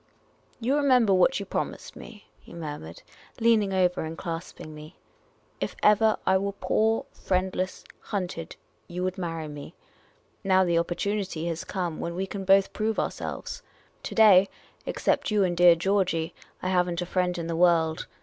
" You remember what you promised me ?" he murmured, leaning over me and clasping me. " If ever I were poor, friendless, hunted — you would marry me. Now the oppor tunity has come when we can both prove ourselves. To day, except you and dear Georgey, I have n't a friend in the world.